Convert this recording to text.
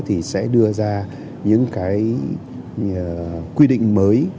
thì sẽ đưa ra những quy định mới